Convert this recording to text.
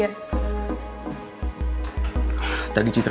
aku nggak mau empirical